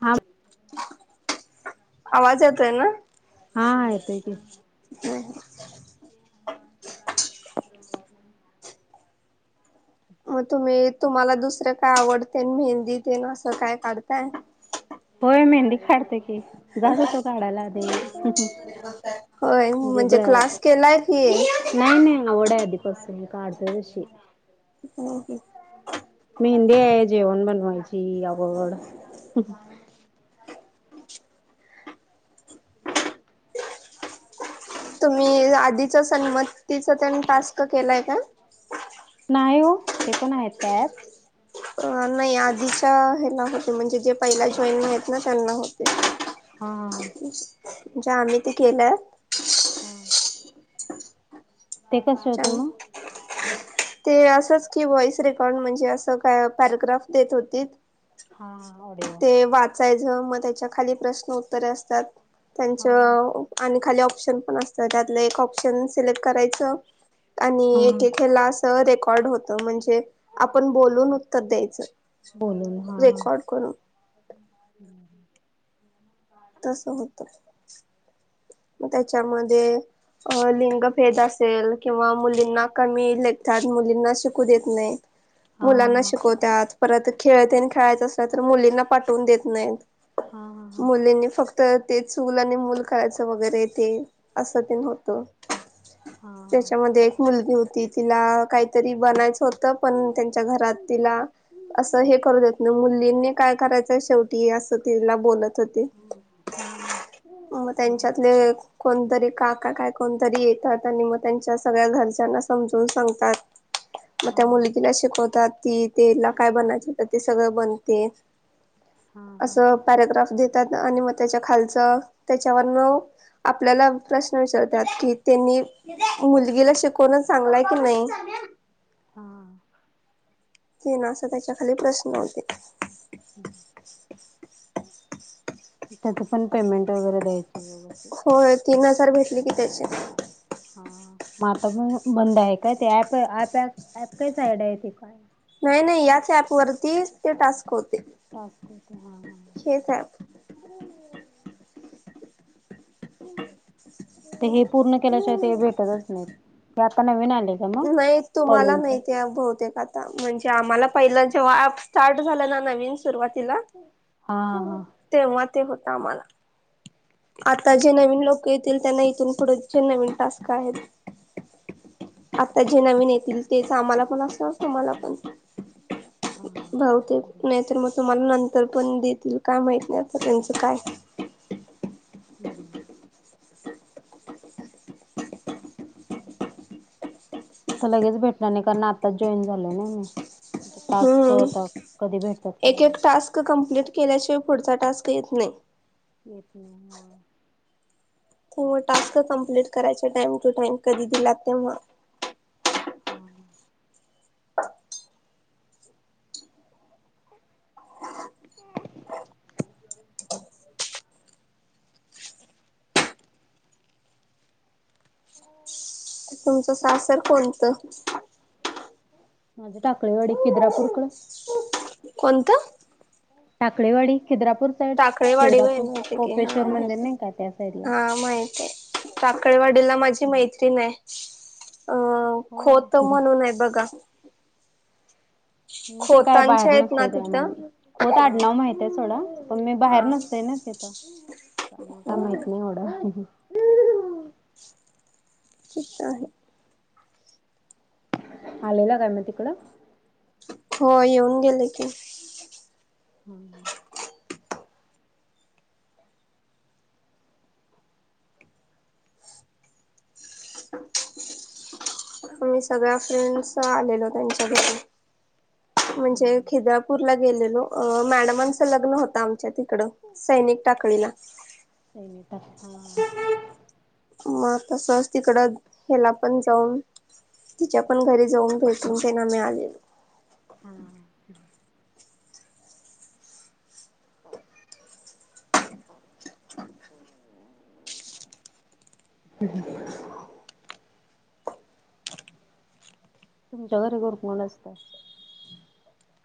ह. आवाज येतोय ना? हा येतोय येतोय. [unintelligible] मग तुम्ही तुम्हाला दुसरं काय आवडते मेहेंदी आण ते असं काय काढताय? होय मेहंदी काढते की जात होत काढायला आधी मी. होय म्हणजे ब क्लास केलाय की नाही नाही ओडा. बसून मी काढते तशी हम्म हम्म. मेहंदी आहे जेवण बनवायची आवड ह [unintelligible] तेच आधीच संनमतीचा त्यानी टास्क केलाय का. नाही हो ते पण आहेत काय. अ नाही आधीच्या ह्याला होते म्हणजे जे पहिल्या जॉईनिंग आहेत ना त्यांना होते. हा हा. जे आम्ही ते केलंय. हा. ते कसे होते मग. ते असंच की व्हॉइस रेकॉर्ड म्हणजे असं का पॅराग्राफ देत होती हा ऑडीओ. खाली प्रश उत्तर असतात आणि आ हा हा. त्यांचा खाली ऑप्शन ऑप्शन पण असतात त्यातलं एक ऑप्शन सिलेक्ट करायचं आणि हा एक ऐकेल अस रेकॉर्ड होत म्हणजे आपण बोलून उत्तर द्यायचं. बोलून हा हा. रेकॉर्ड करून. तस होत मग त्याच्यामध्ये ते अ लिंगभेद असेल किंवा मुलींना कमी लेखतात मुलींना शिकू देत नाही. हा मुलांना शिकवतत परत खेळते आणि खेळायचं असल्या तर मुलींना पाठवून देत नाहीत. हा हा हा. मुलींनी फक्त ते चूल आणि मूल खायचं वगैरे ते असं ते न होतं. हा त्याच्यामध्ये एक मुलगी होती तिला काहीतरी बनायच होत पण त्यांच्या घरात तिला असं हे करू देत नाही मुलींनी काय करायचंय शेवटी असं तिला बोलत. होते. हम्म हम्म. मग त्यांच्यातले कोणतरी काका काय कोण तरी येतात आणि मग त्यांच्या सगळ्या घरच्यांना समजून सांगतात. मग हा हा त्या हा मुलगीला शिकवतात. की तिला काय बनायच ते सगळं बनते हा हा असं पॅरग्राफ देत त्या आणि म त्याच्या खालचं त्याच्यावरन आपल्याला प्रश्न विचारतात की त्यांनी मुलगीला शिकवूनच चांगलाय की नाही. हा. क ना असं त्याच्या खाली प्रश्न होते. [unintelligible] त्याच पण पेमेंट वगैरे द्यायचं व- लिखितचे. हा मगं आता पण बंद आहे काय? ते ऍप-ऍप काय साईड आहे ते काय? नाही.. नाही.. याच ऍप वरती ते टास्क होत. टास्क ते हा.. ऍप हा... ते हे पूर्ण केल्याशिवाय ते भेटतच नाही. हे आता नवीन आले. का मग नाही तुम्हाला कॉलिंगचे नाही ते बहूतेक आता म्हणजे आम्हाला- पहिला जेव्हा ऍप स्टार्ट झालं ना नवीन सुरुवातीला हा हा तेव्हा ते होत. आम्हाला आता जे नवीन लोक येतील त्यांना इथून पुढं. चे नवीन टास्क आहेत. आता जे नवीन येतील तेच आम्हाला पण असणारच तुम्हाला पण. हा भाऊते नाहीत मग त. मला नंतर पण देतील काय माहित नाही त्यांचं काय. बरोबर. आता लगेच भेटणार नाही कारण आताच जॉईन झालय ना मी. टास्क हम्.. होता कधी भेटतात काय एक एक माहित टास्क कंप्लेंट. -प्लीट केल्याशिवाय पुढचा टास्क येत नाही. येत नाही हो. ते मग टास्क कम्प्लीट करायचे टाइम टू टाइम कधी दिला तेव्हा. हा.. हा.. हम. तुमचं सासर कोणतं? माझे टाकळीवाडी खिद्रापूरकडे. कोणतं.? टाकळेवाडी. खिद्रापूर साईड टाकळेवाडी वी खिद्रापूर हा कोपेश्वर मंदिर माहित नाही का त्या साईडला हा माहित आहे. टाकळेवाडीला माझी मैत्रीण आहे. होय अ-खोत म्हणून आहे बघा. मी ते काय बाहेर खोतांच्या आहेत ना नसतय तिथं त्यामुळे खोत हा आडनाव माहितेयं सोडा पण मी बाहेर हा नसतेय ना. हा काय.. आमाला हो माहित नाही एवढं. ठीक आहे. आलेला काय मग तिकडं. हो येऊन गेले की. हम्म.. ह [inaudible] आ-मीही सगळ्या फ्रेंड्स आलेलो त्यांच्या घरी. म्हणजे खिदापूर ला गेलेलो. लो मॅडमांचं लग्न होत आमच्या तिकड सैनिक टाकळीला. हा. मग तसच तिकडं हिला पण जाऊन. तिच्या पण घरी जाऊन भेटून ते ना आ मी आलेलो. हा.. हा.. हम्.. हम्.. तुमच्या घरी कोण कोण असत.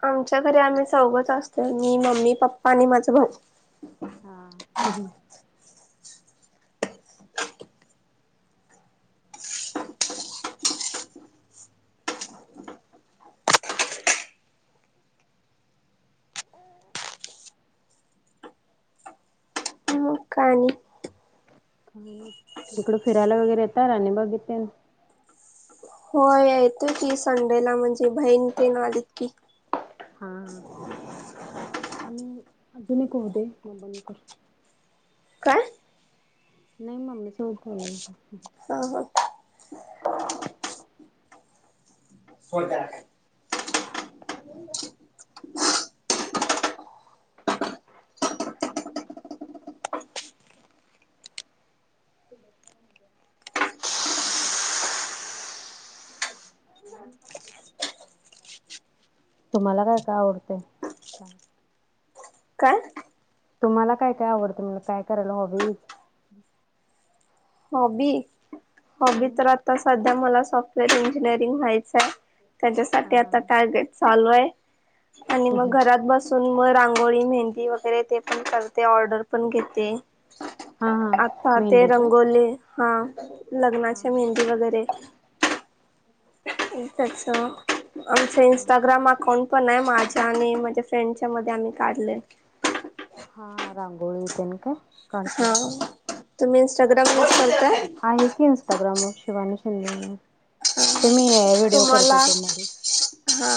आमच्या घरी आम्ही चौघेच असतो मी मम्मी पप्पा आणि माझ भाऊ. हा.. हा.. मग काय आणि नाही इकडं फिरायला वगैरे येतात राणी बागेत तेन. होय येत की संडेला म्हणजे बहीण ते आलेत की. हा आणि अजून एक होऊ दे मग बंद कर. काय? नाही मम्मी सोबत बोलालतो. हा हा स्वर्गात [unintelligible] तुम्हाला काय काय आवडतंय काय? काय तुम्हाला काय काय आवडत म्हणलं, काय करायला हॉबीज्? हॉबी? हॉबी तर आता सध्या मला सॉफ्टवेअर इंजिनिअरिंग व्हायचंय. त्याच्यासाठी आता हा टार्गेट चालू आहे, आणि मग घरात बसून मग रांगोळी, मेहंदी वगैरे ते पण करते ऑर्डर पण घेते. हा हा आता ते मेहंदीचे हा रंगोली हा लग्नाच्या मेहंदी वगैरे. इंस्टाचं, आमचं हा इंस्टाग्राम अकाउंट पण आहे माझ्या आणि माझ्या फ्रेंडच्या मध्ये आम्ही काढलंय. हां रांगोळी तेन काय? काढते. हा, तुम्ही इंस्टाग्राम वर [unintelligible] आहे की इन्स्टाग्रामवर शिवानी शिंदे म्हणून, ते मी अ तुम्हाला हा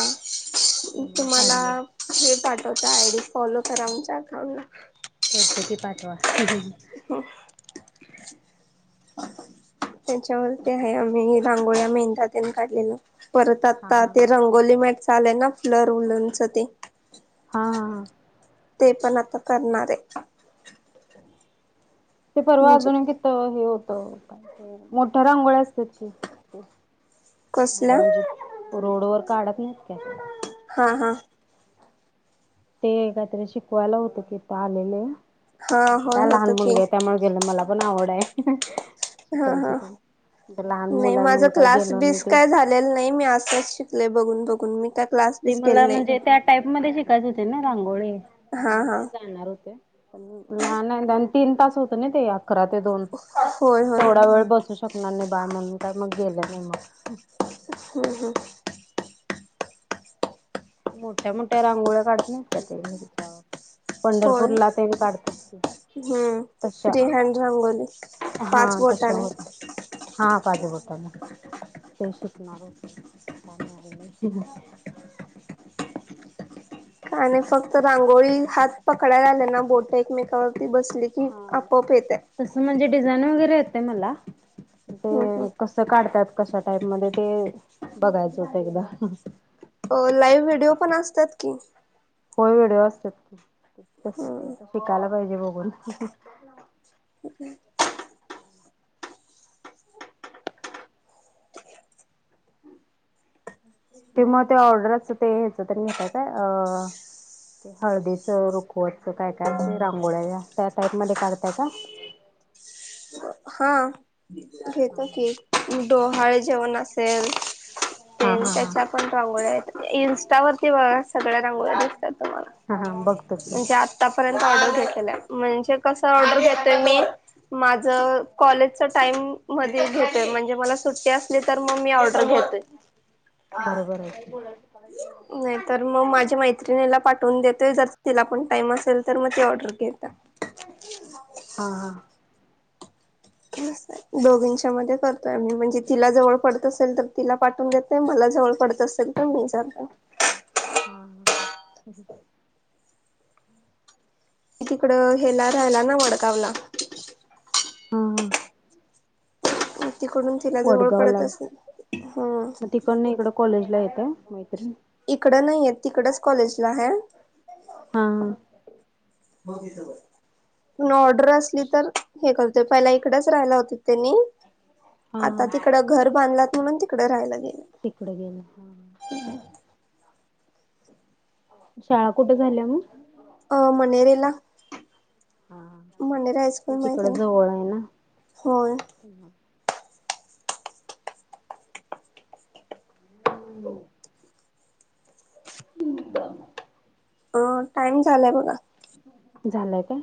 त्यामुळे तुम्हाला काढले हे पाठवते आय डी, फॉलो करा आमच्या अकाउंटला. करतो की पाठवा. त्याच्यावरती आहे आम्ही रांगोळ्या मेहंद्या तेन काढलेलं. परत हा आता हा ते रंगोली मॅटचं‌ आलंय ना फ्लर उलनचं ते. हा हा ते पण आता करणार आहे. ते परवा म्हणजे अजून एक तिथं हे होतं, काय ते मोठ्या रांगोळ्या असतात कि ते. कसल्या? म्हणजे रोडवर काढत नाहीत काय? हा हा. ते काहीतरी शिकवायला होतं तिथं आलेले. हा ते होय काय होत लहान की मुलगी आहे त्यामुळे गेले, मला पण आवड आहे. हा शिकायचं हा तेन. नाही माझं क्लास बीस काय झालेलं नाही, मी असंच शिकले बघून बघून मी त्यात् ते मला म्हणजे त्या टाईप मध्ये शिकायचे होते ना रांगोळी, हा म्हणून हा ते जाणार होते. पण लहान आहे आन तीन तास होतं ना ते आ अकरा ते दोन होय होय तेवढा वेळ बसू शकणार नाही बाळ म्हणून तर मग गेले नाय मग. हम्म हम्म. मोठ्या मोठ्या रांगोळ्या काढत नाहीत का ते हेच्यावर पंढरपूर होय ला तेन् काढतात की. हम्म, तशा फ्री हॅंड रांंगोली हा पाच तशा बोटाने. होत्या हा पाच बोटानं. ते शिकणार होते, ते काय मिळाल नाही. आणि फक्त रांगोळी हात पकडायला आले ना, बोट एकमेकावर ती बसली कि हा. आपोआप येतंय. तसं [unintelligible] वगैरे येते मला, हम्म कसं काढतात? कशा टाईप मध्ये ते बघायचं होतं एकदा. अ लाईव्ह व्हिडिओ पण असतात की. होय व्हिडिओ असतात की, त तसं ते हम्म आता शिकायला पाहिजे बघून. [unintelligible] ते मग ते ऑर्डराचं ते ह्याचं तेन घेताय का? अ ते हळदीचं रुखवतचं काय काय असतंय, रांगोळ्या त्या, त्या टाईप मध्ये काढताय का? [inaudible] हा घेतो की डोहाळे जेवण असेल ते हा हा हा. त्याच्या पण रांगोळ्या आहेत इंस्टावरती बघा सगळ्या रांगोळ्यास हा हा बघत आतापर्यंत ऑर्डर घेत म्हणजे कस ऑर्डर घेतय मी माझ कॉलेज टाईम मध्ये घेतोय म्हणजे मला सुट्टी असली तर मग मी ऑर्डर घेतोय. बरोबर आहे नाही तर मग माझ्या मय ला पाठवून देतोय जर तिला पण टाइम असेल तर मग ती ऑर्डर घता हा हा दोघींच्या मध्ये करतोय म्हणजे तिला जवळ पडत असेल तर तिला पाठून घेतय मला जवळ पडत असेल तर मी ज हो तिकडं हेला राहिला ना वडगावला हा हा तिकडून तिला जवळ वडगाव ला पडत असेल हम्म मग त पण नाही इकडं कॉलेज ला येत मैत्री इकडं नाहीय तिकडच कॉलेजला हाय हा प ऑर्डर असली तर हे करत पहिला इकडच राहिला होते त्यांनी हा आता तिकडं घर बांधल्यात म्हणून तिकडं राहिल्यात तिकुड घेन हा शाळा कुठे झाल्या मग अ मनेरेला हा मांढरा ते हायस्कूल माहिती तिकड आहे ना जवळ ना हो हो कंदीप अ टाइम झालाय बघा झालंय का